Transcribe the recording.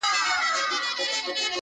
دا عجیب منظرکسي ده، وېره نه لري امامه~